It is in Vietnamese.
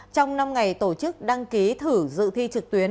trong năm ngày tổ chức đăng ký thử dự thi trực tuyến